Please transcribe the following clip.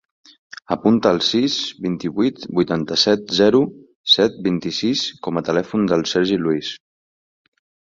Apunta el sis, vint-i-vuit, vuitanta-set, zero, set, vint-i-sis com a telèfon del Sergi Luis.